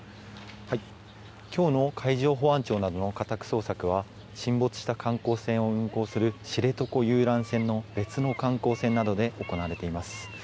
今日の海上保安庁などの家宅捜索は沈没した観光船を運航する知床遊覧船の別の観光船などで行われています。